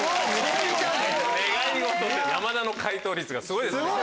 山田の解答率がすごいですね。